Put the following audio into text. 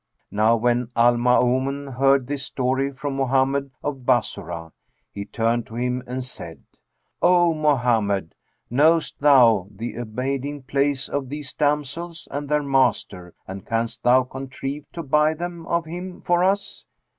Now when Al Maamun heard this story from Mohammed of Bassorah, he turned to him and said, "O Mohammed, knowest thou the abiding place of these damsels and their master, and canst thou contrive to buy them of him for us?"